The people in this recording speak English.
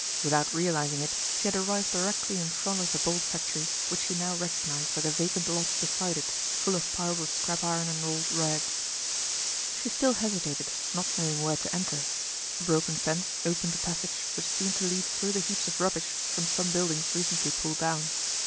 Without realizing it, she had arrived directly in front of the bolt factory which she now recognized by the vacant lot beside it full of piles of scrap iron and old rags. She still hesitated, not knowing where to enter. A broken fence opened a passage which seemed to lead through the heaps of rubbish from some buildings recently pulled down.